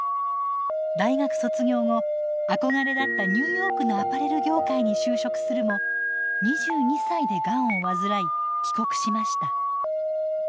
大学卒業後憧れだったニューヨークのアパレル業界に就職するも２２歳でガンを患い帰国しました。